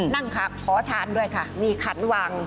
นั่งค่ะขอทานด้วยค่ะมีขันวาง